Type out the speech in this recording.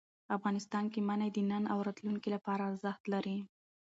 افغانستان کې منی د نن او راتلونکي لپاره ارزښت لري.